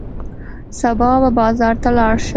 سبا به بازار ته لاړ شم.